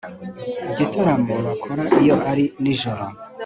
igitaramo bakora iyo ari nijoro